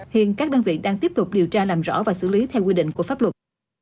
hiện các đơn vị đang tiếp tục điều tra làm rõ và xử lý theo quy định của pháp luật